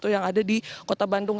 yang ada di kota bandung